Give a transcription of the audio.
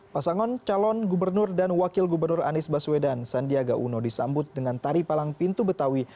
pasangan calon gubernur dan wakil gubernur anies baswedan sandiaga uno disambut dengan tari palang pintu betawi